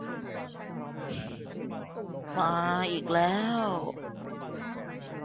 มาอีกแล้ว